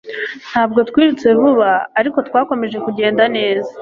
Ntabwo twirutse vuba, ariko twakomeje kugenda neza.